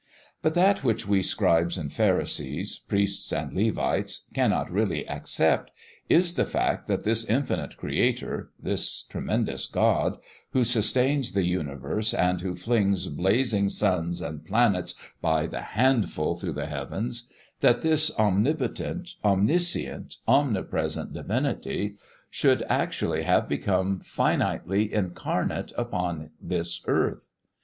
But that which we scribes and pharisees, priests and Levites, cannot really accept is the fact that this infinite Creator this tremendous God, who sustains the universe and who flings blazing suns and planets by the handful through the heavens that this omnipotent, omniscient, omnipresent Divinity should actually have become finitely incarnate upon this earth.